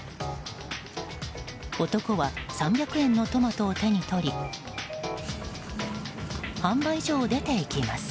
男は３００円のトマトを手に取り販売所を出ていきます。